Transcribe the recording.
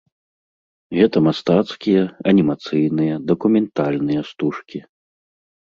Гэта мастацкія, анімацыйныя, дакументальныя стужкі.